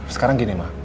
sekarang gini ma